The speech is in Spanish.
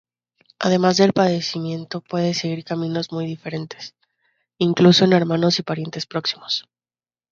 Además el padecimiento puede seguir caminos muy diferentes, incluso en hermanos y parientes próximos.